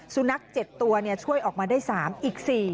สุนัขเจ็บตัวช่วยออกมาได้๓อีก๔